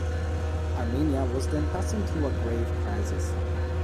Armenia was then passing through a grave crisis.